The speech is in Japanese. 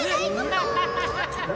フハハハハ！